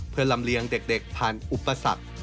เพื่อลำเลียงเด็กผ่านอุปสรรค